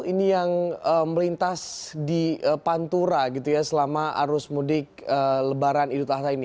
ini yang melintas di pantura selama arus mudik lebaran idul tahsa ini